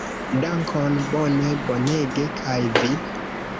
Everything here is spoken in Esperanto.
Dankon, bone, bonege, kaj vi?